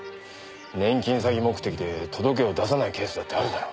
年金詐欺目的で届けを出さないケースだってあるだろ。